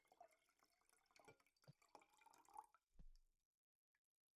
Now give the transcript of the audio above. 这些规则卫星都以泰坦巨人族或其他与农神萨图尔努斯相关的神只之名来命名。